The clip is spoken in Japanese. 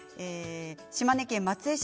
島根県松江市